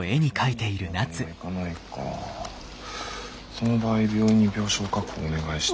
その場合病院に病床確保をお願いして。